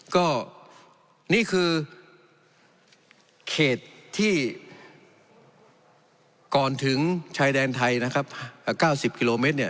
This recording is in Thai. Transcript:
ก็นี่คือเขตที่ก่อนถึงชายแดนไทย๙๐คิโลเมตร